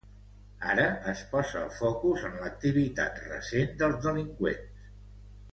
Ara es posa el focus en l'activitat recent dels delinqüents